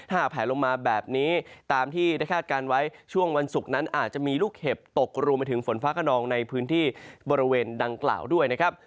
แผลลงมาแบบนี้ตามที่ได้คาดการณ์ไว้ช่วงวันศุกร์นั้นอาจจะมีลูกเห็บตกรวมไปถึงฝนฟ้าขนองในพื้นที่บริเวณดังกล่าวด้วยนะครับ